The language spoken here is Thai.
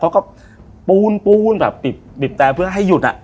เขาก็ปูนแบบปิบแต่เพื่อให้หยุด